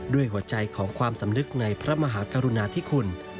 ด้วยหัวใจของความสำนึกในพระมหากรุณาธิคุณ